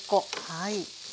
はい。